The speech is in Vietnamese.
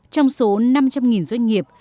trong số năm trăm linh doanh nghiệp